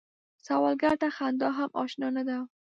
سوالګر ته خندا هم اشنا نه ده